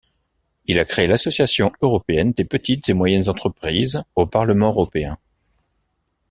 Il a créé l'association européenne des petites et moyennes entreprises au Parlement européen.